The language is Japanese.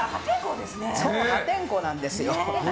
破天荒なんですよ。